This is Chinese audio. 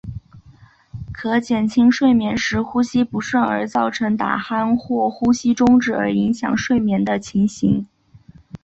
可减轻睡眠时呼吸不顺而造成打鼾或呼吸中止而影响睡眠的情形。